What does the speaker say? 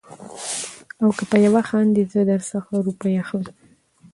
او که په يوه خاندې زه در څخه روپۍ اخلم.